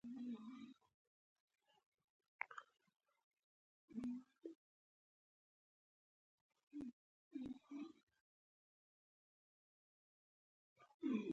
په برېټانیا کې په چټکۍ ریښې غځولې.